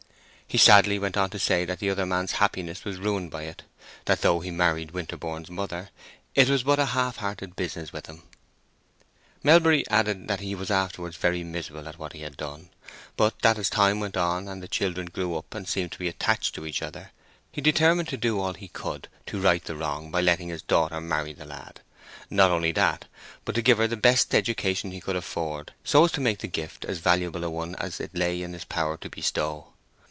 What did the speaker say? He sadly went on to say that the other man's happiness was ruined by it; that though he married Winterborne's mother, it was but a half hearted business with him. Melbury added that he was afterwards very miserable at what he had done; but that as time went on, and the children grew up, and seemed to be attached to each other, he determined to do all he could to right the wrong by letting his daughter marry the lad; not only that, but to give her the best education he could afford, so as to make the gift as valuable a one as it lay in his power to bestow.